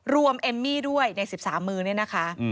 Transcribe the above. เอมมี่ด้วยใน๑๓มือเนี่ยนะคะ